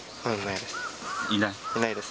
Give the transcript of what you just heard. いないです。